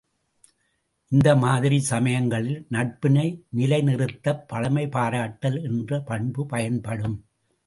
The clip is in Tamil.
இந்த மாதிரி சமயங்களில் நட்பினை நிலைநிறுத்தப் பழைமை பாராட்டல் என்ற பண்பு பயன்படும்!